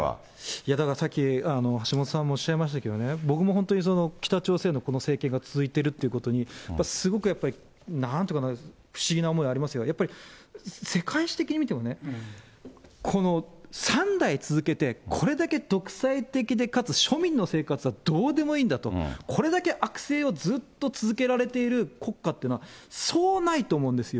いや、だからさっき橋本さんもおっしゃいましたけどね、僕も本当に北朝鮮のこの政権が続いてるということに、すごくやっぱり、なんというかな、不思議な思いありますよ、やっぱり世界史的に見てもね、この３代続けて、これだけ独裁的でかつ庶民の生活はどうでもいいんだと、これだけ悪政をずっと続けられている国家というのは、そうないと思うんですよ。